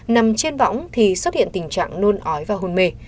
nằm trên võng thì xuất hiện tình trạng nôn ói và hôn mê